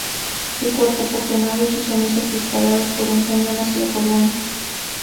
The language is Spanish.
Su cuerpo fue quemado y sus cenizas disparadas por un cañón hacia Polonia.